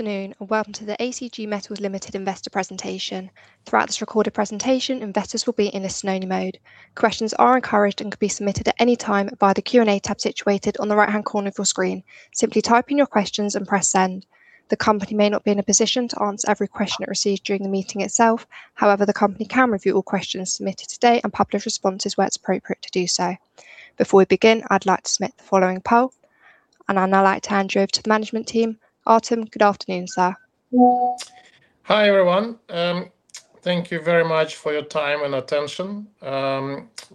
Afternoon, and welcome to the ACG Metals Limited investor presentation. Throughout this recorded presentation, investors will be in a scenario mode. Questions are encouraged and can be submitted at any time by the Q&A tab situated on the right-hand corner of your screen. Simply type in your questions and press send. The company may not be in a position to answer every question it receives during the meeting itself; however, the company can review all questions submitted today and publish responses where it's appropriate to do so. Before we begin, I'd like to submit the following poll, and I'd now like to hand you over to the management team. Artem, good afternoon, sir. Hi everyone. Thank you very much for your time and attention.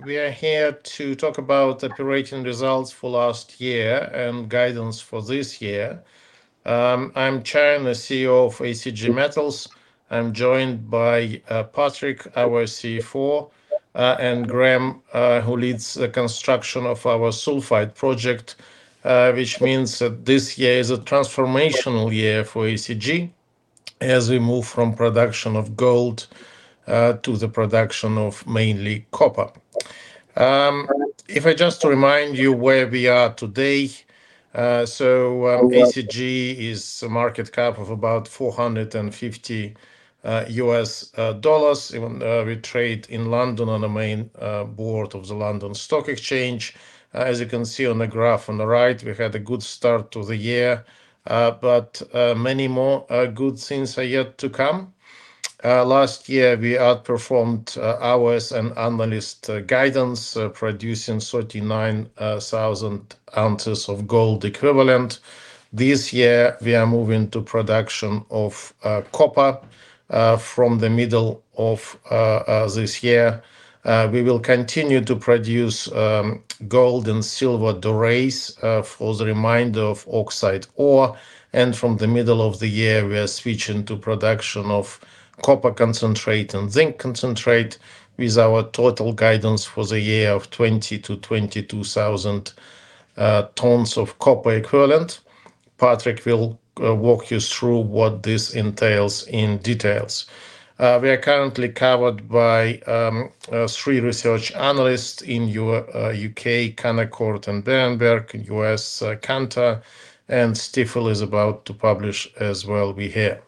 We are here to talk about the operating results for last year and guidance for this year. I'm Chair and the CEO of ACG Metals. I'm joined by Patrick, our CFO, and Graham, who leads the construction of our sulfide project, which means that this year is a transformational year for ACG as we move from production of gold to the production of mainly copper. If I just remind you where we are today, so ACG is a market cap of about $450 US dollars. We trade in London on the main board of the London Stock Exchange. As you can see on the graph on the right, we had a good start to the year, but many more good things are yet to come. Last year, we outperformed our analyst guidance, producing 39,000 ounces of gold equivalent. This year, we are moving to production of copper from the middle of this year. We will continue to produce gold and silver dorés for the remainder of oxide ore. From the middle of the year, we are switching to production of copper concentrate and zinc concentrate with our total guidance for the year of 20,000-22,000 tons of copper equivalent. Patrick will walk you through what this entails in details. We are currently covered by three research analysts in the U.K., Canaccord and Berenberg, U.S., Cantor, and Stifel is about to publish as well. We here.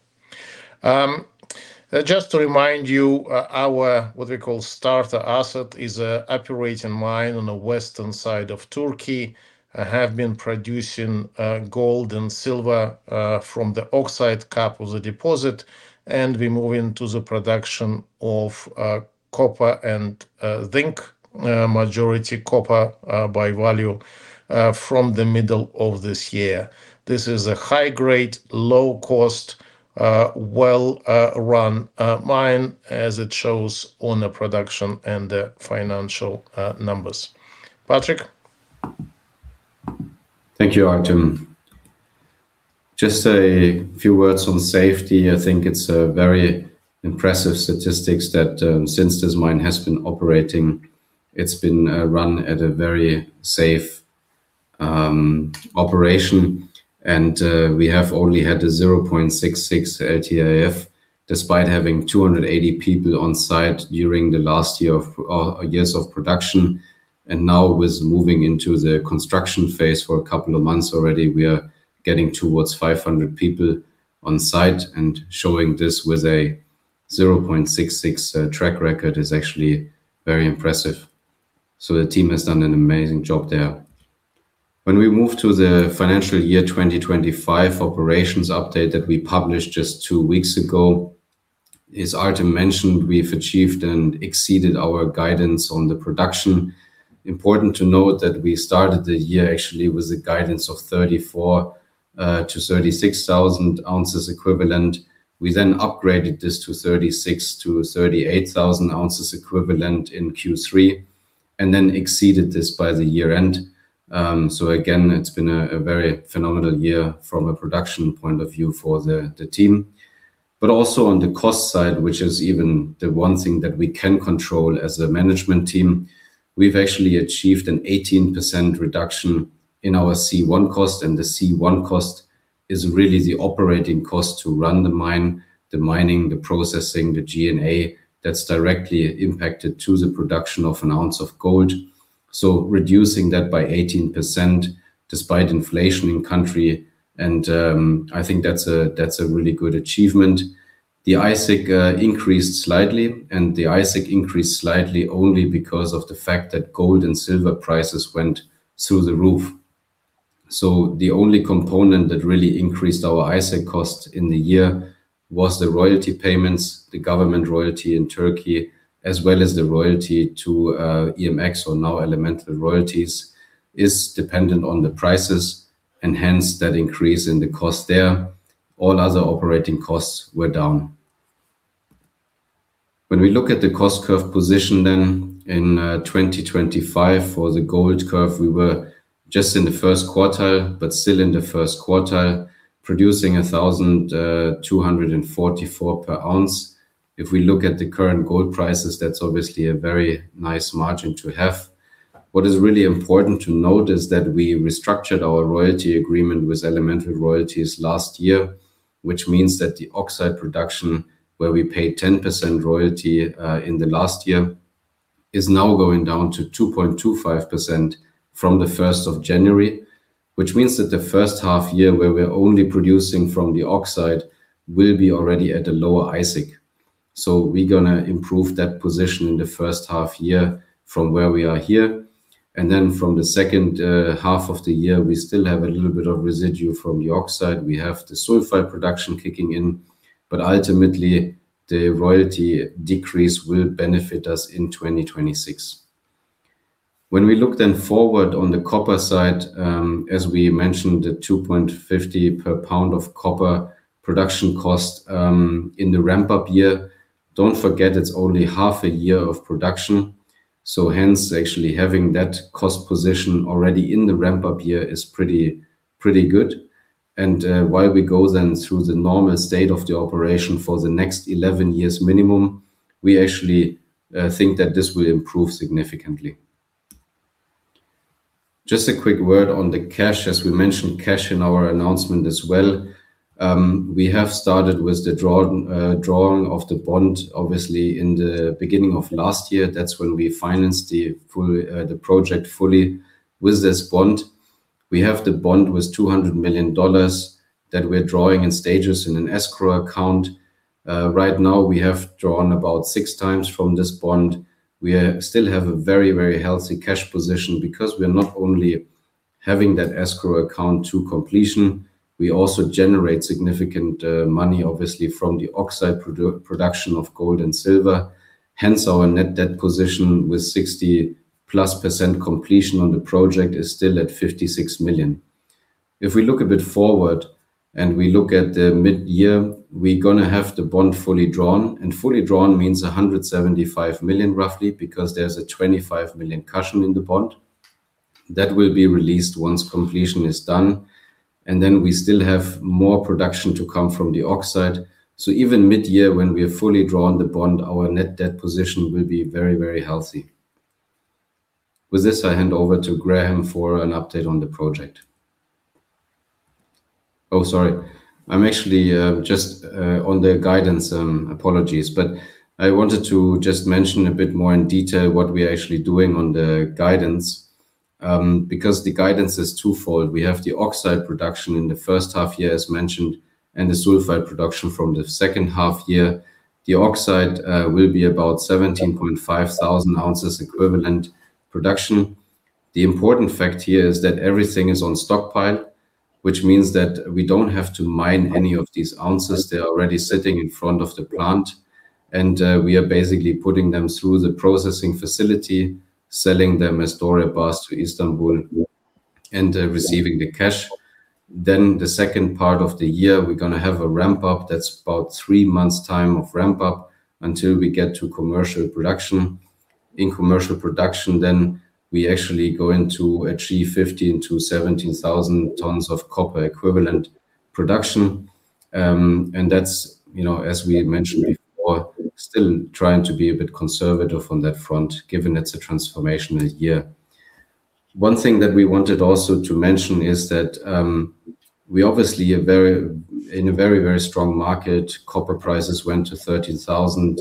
Just to remind you, our what we call starter asset is an operating mine on the western side of Turkey. I have been producing gold and silver from the oxide cap of the deposit, and we're moving to the production of copper and zinc, majority copper by value, from the middle of this year. This is a high-grade, low-cost, well-run mine, as it shows on the production and the financial numbers. Patrick. Thank you, Artem. Just a few words on safety. I think it's a very impressive statistic that since this mine has been operating, it's been run at a very safe operation, and we have only had a 0.66 LTIF despite having 280 people on site during the last year of years of production. And now, with moving into the construction phase for a couple of months already, we are getting towards 500 people on site, and showing this with a 0.66 track record is actually very impressive. So the team has done an amazing job there. When we move to the financial year 2025 operations update that we published just two weeks ago, as Artem mentioned, we've achieved and exceeded our guidance on the production. Important to note that we started the year actually with a guidance of 34,000-36,000 ounces equivalent. We then upgraded this to 36,000-38,000 ounces equivalent in Q3 and then exceeded this by the year end. So again, it's been a very phenomenal year from a production point of view for the team. But also on the cost side, which is even the one thing that we can control as a management team, we've actually achieved an 18% reduction in our C1 cost, and the C1 cost is really the operating cost to run the mine, the mining, the processing, the G&A that's directly impacted to the production of an ounce of gold. So reducing that by 18% despite inflation in the country, and I think that's a really good achievement. The AISC increased slightly, and the AISC increased slightly only because of the fact that gold and silver prices went through the roof. So the only component that really increased our AISC cost in the year was the royalty payments, the government royalty in Turkey, as well as the royalty to EMX or now Elemental Royalties, is dependent on the prices, and hence that increase in the cost there. All other operating costs were down. When we look at the cost curve position then in 2025 for the gold curve, we were just in the first quartile, but still in the first quartile, producing $1,244 per ounce. If we look at the current gold prices, that's obviously a very nice margin to have. What is really important to note is that we restructured our royalty agreement with Elemental Royalties last year, which means that the oxide production, where we paid 10% royalty in the last year, is now going down to 2.25% from the 1st of January, which means that the first half year where we're only producing from the oxide will be already at a lower AISC. So we're going to improve that position in the first half year from where we are here. And then from the second half of the year, we still have a little bit of residue from the oxide. We have the sulfide production kicking in, but ultimately the royalty decrease will benefit us in 2026. When we look then forward on the copper side, as we mentioned, the $2.50 per pound of copper production cost in the ramp-up year, don't forget it's only half a year of production. So hence, actually having that cost position already in the ramp-up year is pretty good. And while we go then through the normal state of the operation for the next 11 years minimum, we actually think that this will improve significantly. Just a quick word on the cash, as we mentioned cash in our announcement as well. We have started with the drawing of the bond, obviously in the beginning of last year. That's when we financed the project fully with this bond. We have the bond with $200 million that we're drawing in stages in an escrow account. Right now, we have drawn about six times from this bond. We still have a very, very healthy cash position because we're not only having that escrow account to completion, we also generate significant money, obviously from the oxide production of gold and silver. Hence, our net debt position with 60%+ completion on the project is still at $56 million. If we look a bit forward and we look at the mid-year, we're going to have the bond fully drawn, and fully drawn means $175 million roughly because there's a $25 million cushion in the bond that will be released once completion is done. And then we still have more production to come from the oxide. So even mid-year, when we have fully drawn the bond, our net debt position will be very, very healthy. With this, I hand over to Graham for an update on the project. Oh, sorry. I'm actually just on the guidance. Apologies. But I wanted to just mention a bit more in detail what we're actually doing on the guidance because the guidance is twofold. We have the oxide production in the first half year, as mentioned, and the sulfide production from the second half year. The oxide will be about 17,500 ounces equivalent production. The important fact here is that everything is on stockpile, which means that we don't have to mine any of these ounces. They're already sitting in front of the plant, and we are basically putting them through the processing facility, selling them as doré to Istanbul and receiving the cash. Then the second part of the year, we're going to have a ramp-up. That's about three months' time of ramp-up until we get to commercial production. In commercial production, then we actually go into 15,000-17,000 tons of copper equivalent production. And that's, as we mentioned before, still trying to be a bit conservative on that front, given it's a transformational year. One thing that we wanted also to mention is that we obviously, in a very, very strong market, copper prices went to $13,000.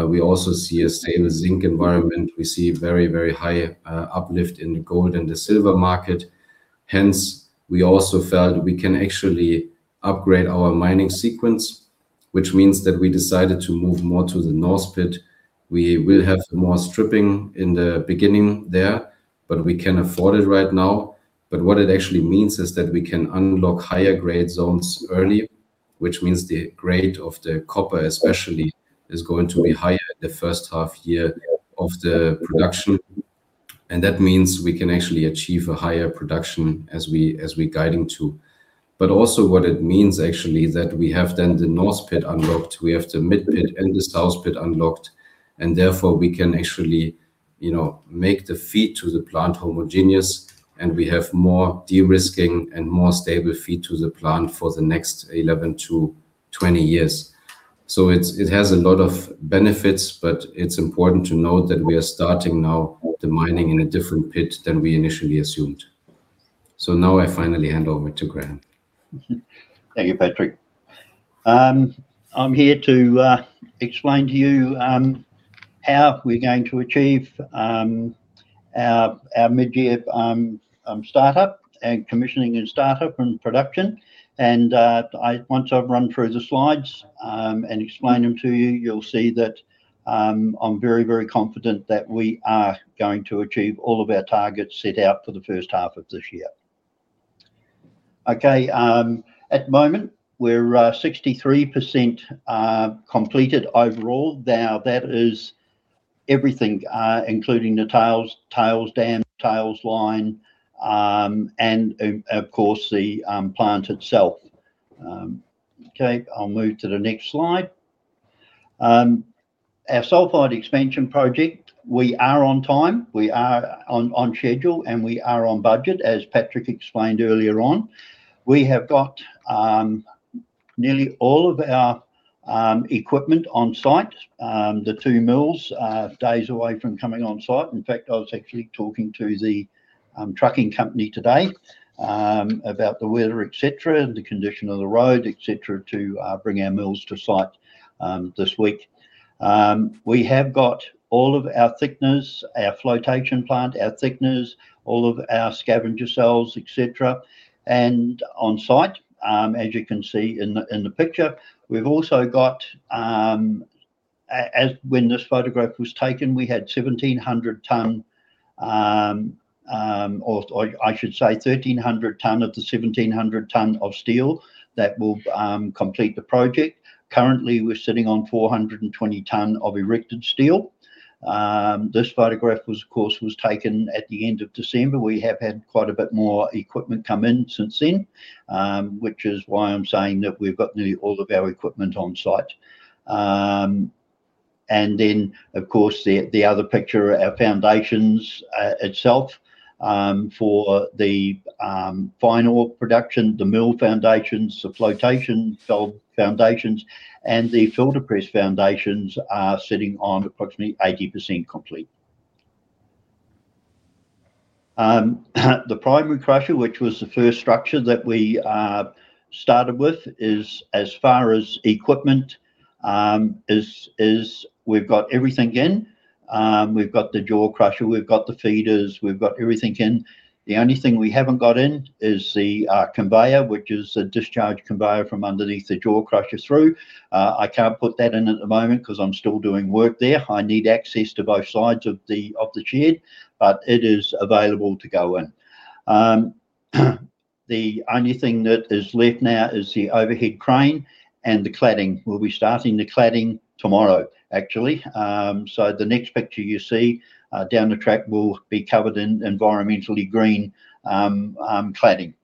We also see a stable zinc environment. We see very, very high uplift in the gold and the silver market. Hence, we also felt we can actually upgrade our mining sequence, which means that we decided to move more to the North Pit. We will have more stripping in the beginning there, but we can afford it right now. But what it actually means is that we can unlock higher grade zones early, which means the grade of the copper especially is going to be higher in the first half year of the production. And that means we can actually achieve a higher production as we're guiding to. But also what it means actually is that we have then the North Pit unlocked. We have the Mid Pit and the South Pit unlocked, and therefore we can actually make the feed to the plant homogeneous, and we have more de-risking and more stable feed to the plant for the next 11-20 years. So it has a lot of benefits, but it's important to note that we are starting now the mining in a different pit than we initially assumed. So now I finally hand over to Graham. Thank you, Patrick. I'm here to explain to you how we're going to achieve our mid-year startup and commissioning and startup and production. And once I've run through the slides and explained them to you, you'll see that I'm very, very confident that we are going to achieve all of our targets set out for the first half of this year. Okay. At the moment, we're 63% completed overall. Now that is everything, including the tails dam, tails line, and of course, the plant itself. Okay. I'll move to the next slide. Our Sulfide Expansion Project, we are on time. We are on schedule, and we are on budget, as Patrick explained earlier on. We have got nearly all of our equipment on site. The two mills are days away from coming on site. In fact, I was actually talking to the trucking company today about the weather, etc., and the condition of the road, etc., to bring our mills to site this week. We have got all of our thickeners, our flotation plant, our thickeners, all of our scavenger cells, etc., on site, as you can see in the picture. We've also got, as when this photograph was taken, we had 1,700 ton, or I should say 1,300 ton of the 1,700 ton of steel that will complete the project. Currently, we're sitting on 420 ton of erected steel. This photograph was, of course, taken at the end of December. We have had quite a bit more equipment come in since then, which is why I'm saying that we've got nearly all of our equipment on site. And then, of course, the other picture, our foundations itself for the final production, the mill foundations, the flotation foundations, and the filter press foundations are sitting on approximately 80% complete. The primary crusher, which was the first structure that we started with, is, as far as equipment, we've got everything in. We've got the jaw crusher. We've got the feeders. We've got everything in. The only thing we haven't got in is the conveyor, which is a discharge conveyor from underneath the jaw crusher through. I can't put that in at the moment because I'm still doing work there. I need access to both sides of the shed, but it is available to go in. The only thing that is left now is the overhead crane and the cladding. We'll be starting the cladding tomorrow, actually. So the next picture you see down the track will be covered in environmentally green cladding.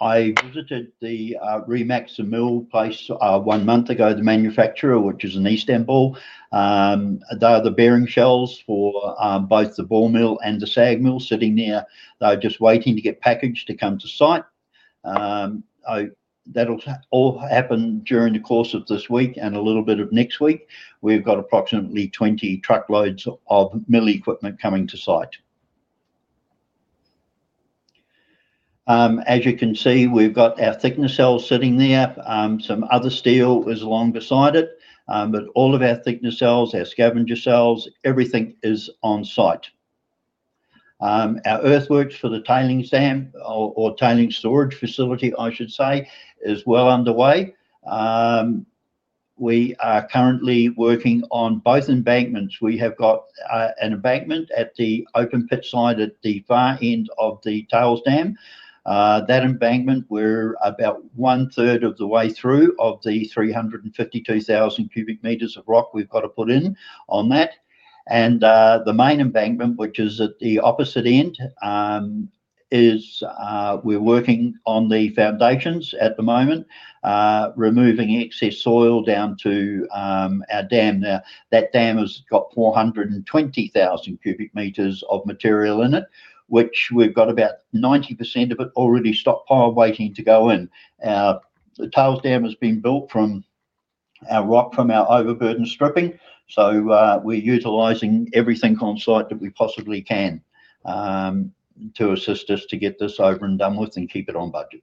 I visited the Remas mill place one month ago, the manufacturer, which is in Istanbul. They are the bearing shells for both the ball mill and the SAG mill sitting there. They're just waiting to get packaged to come to site. That'll all happen during the course of this week and a little bit of next week. We've got approximately 20 truckloads of mill equipment coming to site. As you can see, we've got our thickeners sitting there. Some other steel is along beside it, but all of our thickeners, our scavenger cells, everything is on site. Our earthworks for the tailings dam or tailings storage facility, I should say, is well underway. We are currently working on both embankments. We have got an embankment at the open pit side at the far end of the tail dam. That embankment, we're about one-third of the way through of the 352,000 cu m of rock we've got to put in on that. And the main embankment, which is at the opposite end, is we're working on the foundations at the moment, removing excess soil down to our dam. Now, that dam has got 420,000 cu m of material in it, which we've got about 90% of it already stockpiled waiting to go in. The tail dam has been built from our rock from our overburden stripping. So we're utilizing everything on site that we possibly can to assist us to get this over and done with and keep it on budget.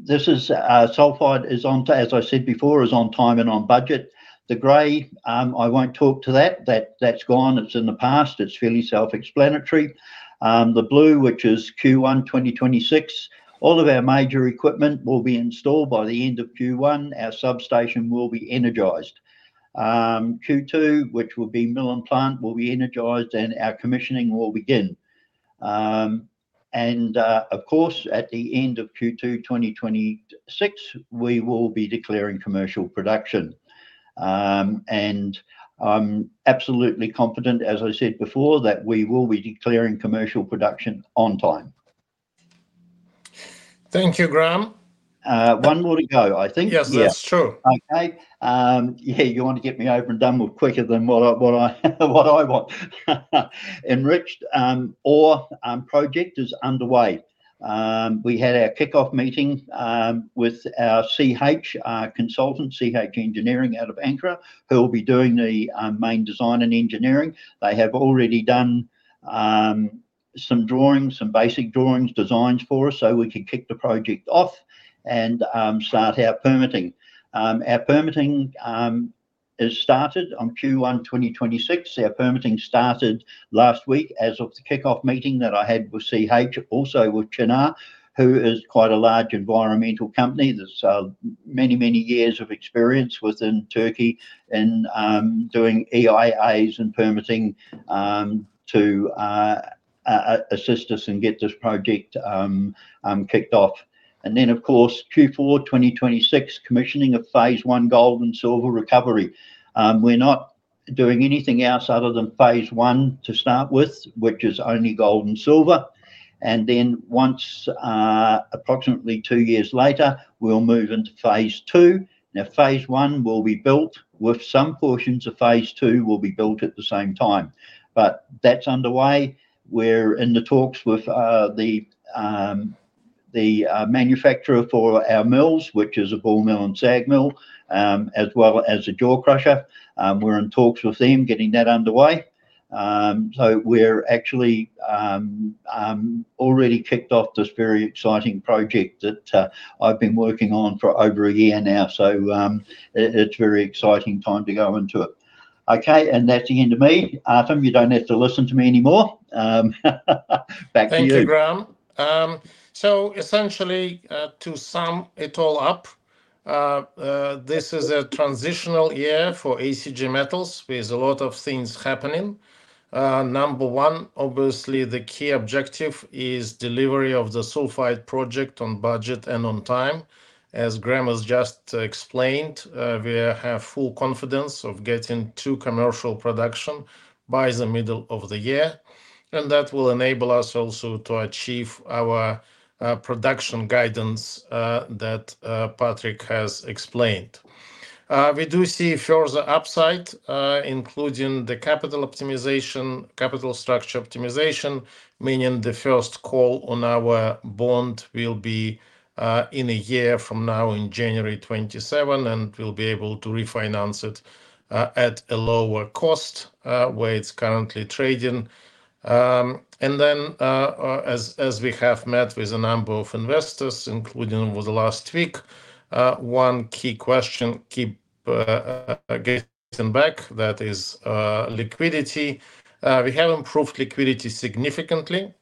This is sulfide, as I said before, is on time and on budget. The gray, I won't talk to that. That's gone. It's in the past. It's fairly self-explanatory. The blue, which is Q1 2026, all of our major equipment will be installed by the end of Q1. Our substation will be energized. Q2, which will be mill and plant, will be energized, and our commissioning will begin. And of course, at the end of Q2 2026, we will be declaring commercial production. And I'm absolutely confident, as I said before, that we will be declaring commercial production on time. Thank you, Graham. One more to go, I think. Yes, that's true. Okay. Yeah. You want to get me over and done with quicker than what I want. Enriched Ore Project is underway. We had our kickoff meeting with our CH Consultants, CH Engineering out of Ankara, who will be doing the main design and engineering. They have already done some drawings, some basic drawings, designs for us so we could kick the project off and start our permitting. Our permitting is started on Q1 2026. Our permitting started last week as of the kickoff meeting that I had with CH, also with Çınar, who is quite a large environmental company. There's many, many years of experience within Turkey in doing EIAs and permitting to assist us and get this project kicked off. And then, of course, Q4 2026, commissioning of phase I gold and silver recovery. We're not doing anything else other than phase I to start with, which is only gold and silver. Then once approximately two years later, we'll move into phase II. Now, phase I will be built with some portions of phase II will be built at the same time. But that's underway. We're in the talks with the manufacturer for our mills, which is a ball mill and SAG mill, as well as a jaw crusher. We're in talks with them getting that underway. So we're actually already kicked off this very exciting project that I've been working on for over a year now. So it's a very exciting time to go into it. Okay. And that's the end of me. Artem, you don't have to listen to me anymore. Back to you. Thank you, Graham. So essentially, to sum it all up, this is a transitional year for ACG Metals. There's a lot of things happening. Number one, obviously, the key objective is delivery of the sulfide project on budget and on time. As Graham has just explained, we have full confidence of getting to commercial production by the middle of the year. And that will enable us also to achieve our production guidance that Patrick has explained. We do see further upside, including the capital optimization, capital structure optimization, meaning the first call on our bond will be in a year from now in January 2027, and we'll be able to refinance it at a lower cost where it's currently trading. And then, as we have met with a number of investors, including over the last week, one key question keep getting back, that is liquidity. We have improved liquidity significantly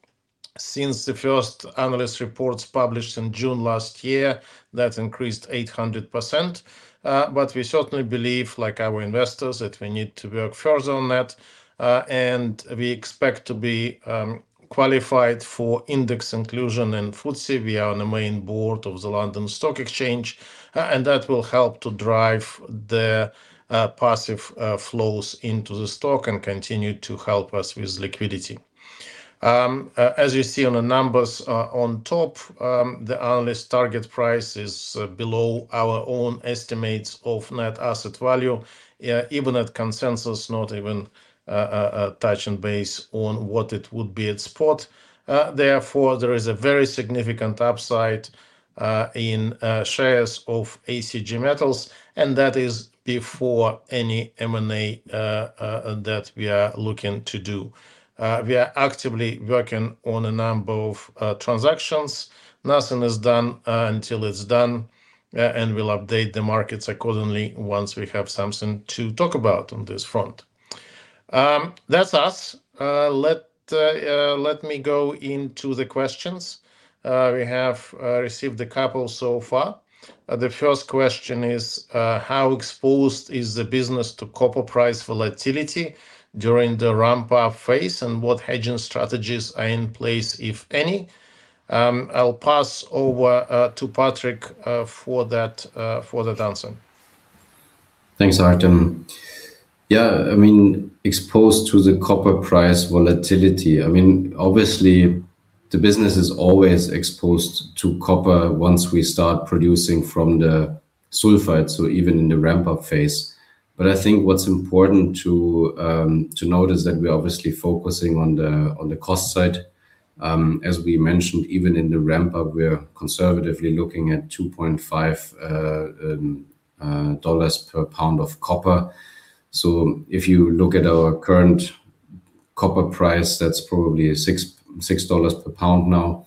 since the first analyst reports published in June last year. That increased 800%. But we certainly believe, like our investors, that we need to work further on that. And we expect to be qualified for index inclusion in FTSE. We are on the main board of the London Stock Exchange, and that will help to drive the passive flows into the stock and continue to help us with liquidity. As you see on the numbers on top, the analyst target price is below our own estimates of net asset value, even at consensus, not even touching base on what it would be at spot. Therefore, there is a very significant upside in shares of ACG Metals, and that is before any M&A that we are looking to do. We are actively working on a number of transactions. Nothing is done until it's done, and we'll update the markets accordingly once we have something to talk about on this front. That's us. Let me go into the questions. We have received a couple so far. The first question is, how exposed is the business to copper price volatility during the ramp-up phase, and what hedging strategies are in place, if any? I'll pass over to Patrick for that answer. Thanks, Artem. Yeah. I mean, exposed to the copper price volatility. I mean, obviously, the business is always exposed to copper once we start producing from the sulfide, so even in the ramp-up phase. But I think what's important to note is that we're obviously focusing on the cost side. As we mentioned, even in the ramp-up, we're conservatively looking at $2.5 per pound of copper. So if you look at our current copper price, that's probably $6 per pound now.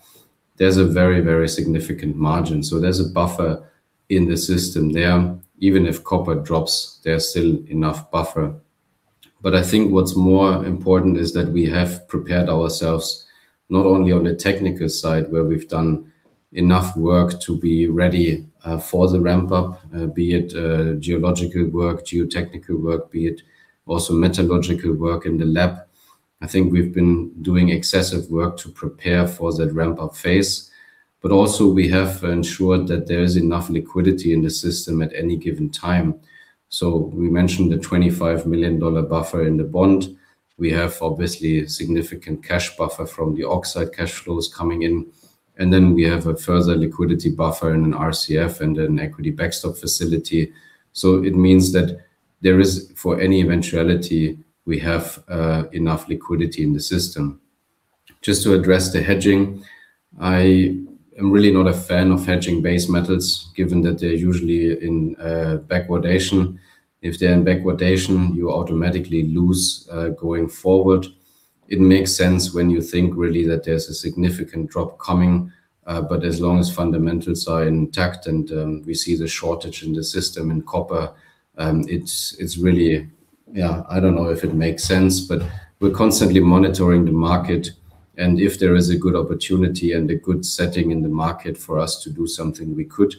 There's a very, very significant margin. So there's a buffer in the system there. Even if copper drops, there's still enough buffer. But I think what's more important is that we have prepared ourselves not only on the technical side, where we've done enough work to be ready for the ramp-up, be it geological work, geotechnical work, be it also metallurgical work in the lab. I think we've been doing excessive work to prepare for that ramp-up phase. But also, we have ensured that there is enough liquidity in the system at any given time. So we mentioned the $25 million buffer in the bond. We have obviously significant cash buffer from the oxide cash flows coming in. And then we have a further liquidity buffer in an RCF and an equity backstop facility. So it means that there is, for any eventuality, we have enough liquidity in the system. Just to address the hedging, I am really not a fan of hedging base metals, given that they're usually in backwardation. If they're in backwardation, you automatically lose going forward. It makes sense when you think really that there's a significant drop coming. But as long as fundamentals are intact and we see the shortage in the system in copper, it's really, yeah, I don't know if it makes sense, but we're constantly monitoring the market. And if there is a good opportunity and a good setting in the market for us to do something, we could.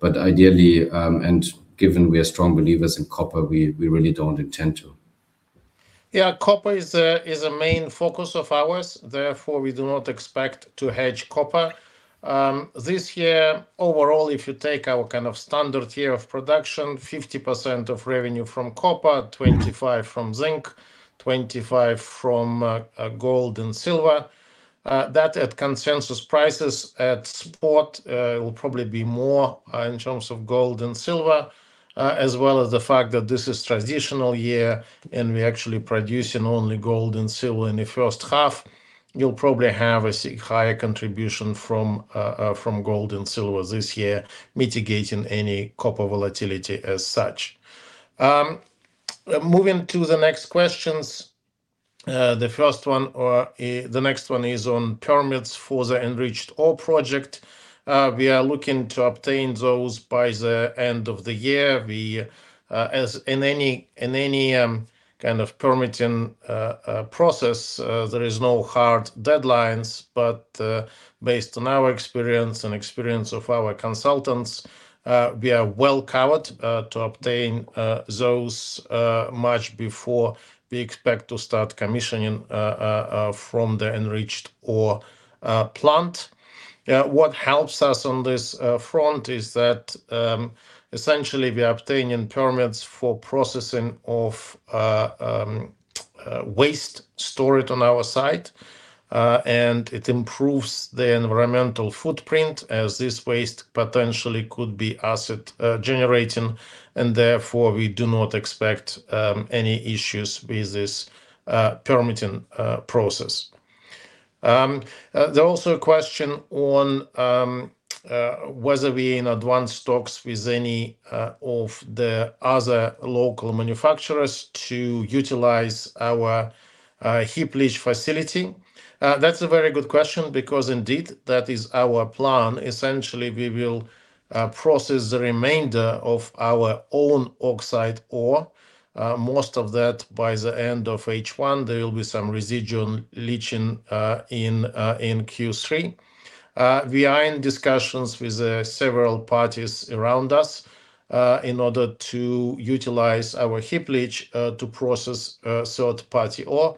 But ideally, and given we are strong believers in copper, we really don't intend to. Yeah. Copper is a main focus of ours. Therefore, we do not expect to hedge copper. This year, overall, if you take our kind of standard year of production, 50% of revenue from copper, 25% from zinc, 25% from gold and silver, that at consensus prices at spot will probably be more in terms of gold and silver, as well as the fact that this is a transitional year and we're actually producing only gold and silver in the first half, you'll probably have a higher contribution from gold and silver this year, mitigating any copper volatility as such. Moving to the next questions. The first one, or the next one is on permits for the Enriched Ore Project. We are looking to obtain those by the end of the year. As in any kind of permitting process, there are no hard deadlines. But based on our experience and experience of our consultants, we are well covered to obtain those much before we expect to start commissioning from the Enriched Ore plant. What helps us on this front is that essentially we are obtaining permits for processing of waste stored on our site. It improves the environmental footprint as this waste potentially could be asset generating. Therefore, we do not expect any issues with this permitting process. There's also a question on whether we are in advanced talks with any of the other local manufacturers to utilize our heap leach facility. That's a very good question because indeed that is our plan. Essentially, we will process the remainder of our own oxide ore. Most of that by the end of H1; there will be some residual leaching in Q3. We are in discussions with several parties around us in order to utilize our heap leach to process third-party ore.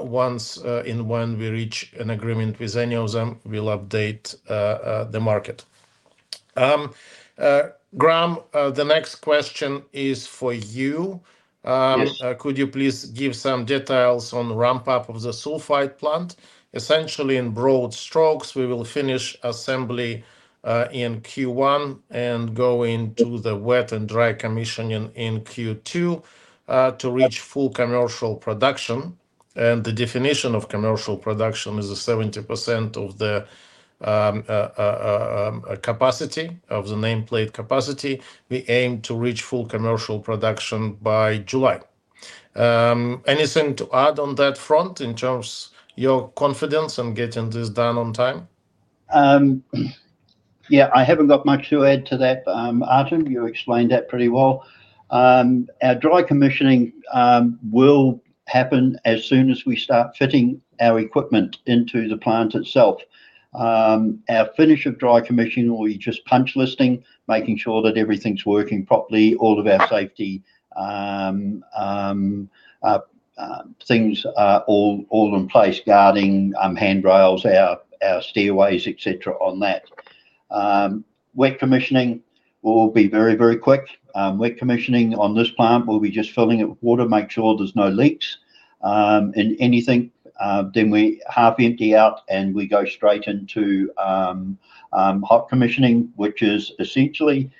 Once and when we reach an agreement with any of them, we'll update the market. Graham, the next question is for you. Could you please give some details on ramp-up of the sulfide plant? Essentially, in broad strokes, we will finish assembly in Q1 and go into the wet and dry commissioning in Q2 to reach full commercial production. And the definition of commercial production is 70% of the capacity of the nameplate capacity. We aim to reach full commercial production by July. Anything to add on that front in terms of your confidence in getting this done on time? Yeah. I haven't got much to add to that. Artem, you explained that pretty well. Our dry commissioning will happen as soon as we start fitting our equipment into the plant itself. Our finish of dry commissioning will be just punch listing, making sure that everything's working properly, all of our safety things are all in place, guarding handrails, our stairways, etc., on that. Wet commissioning will be very, very quick. Wet commissioning on this plant will be just filling it with water, make sure there's no leaks. And anything, then we half empty out and we go straight into hot commissioning, which is essentially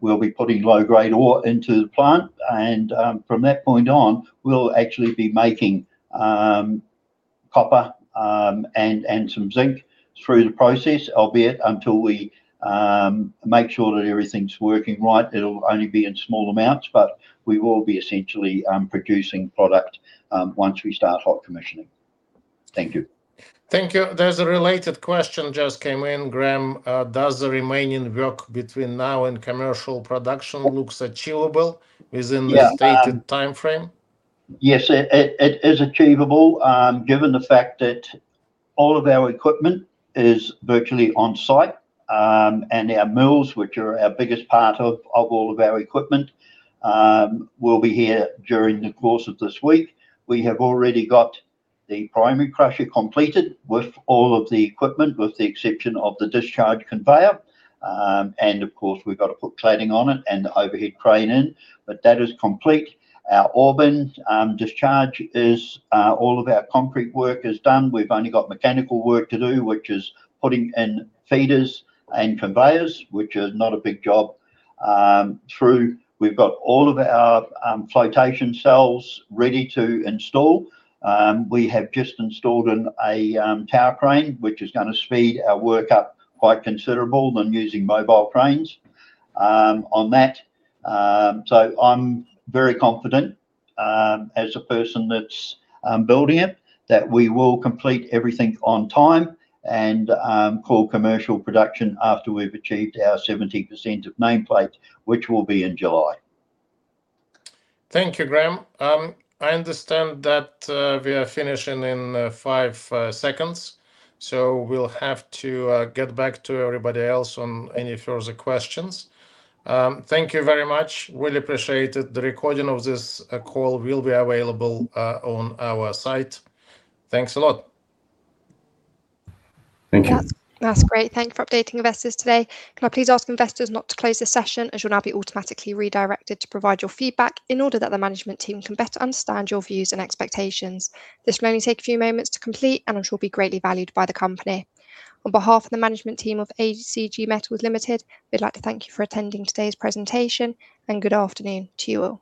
we'll be putting low-grade ore into the plant. And from that point on, we'll actually be making copper and some zinc through the process, albeit until we make sure that everything's working right. It'll only be in small amounts, but we will be essentially producing product once we start hot commissioning. Thank you. Thank you. There's a related question just came in. Graham, does the remaining work between now and commercial production look achievable within the stated timeframe? Yes. It is achievable given the fact that all of our equipment is virtually on site. And our mills, which are our biggest part of all of our equipment, will be here during the course of this week. We have already got the primary crusher completed with all of the equipment, with the exception of the discharge conveyor. And of course, we've got to put cladding on it and the overhead crane in, but that is complete. Our ore bin discharge. All of our concrete work is done. We've only got mechanical work to do, which is putting in feeders and conveyors, which is not a big job. We've got all of our flotation cells ready to install. We have just installed a tower crane, which is going to speed our work up quite considerably than using mobile cranes on that. I'm very confident as a person that's building it that we will complete everything on time and call commercial production after we've achieved our 70% of nameplate, which will be in July. Thank you, Graham. I understand that we are finishing in five seconds. So we'll have to get back to everybody else on any further questions. Thank you very much. Really appreciate it. The recording of this call will be available on our site. Thanks a lot. Thank you. That's great. Thank you for updating investors today. Can I please ask investors not to close the session as you'll now be automatically redirected to provide your feedback in order that the management team can better understand your views and expectations? This will only take a few moments to complete, and it will be greatly valued by the company. On behalf of the management team of ACG Metals Limited, we'd like to thank you for attending today's presentation, and good afternoon to you all.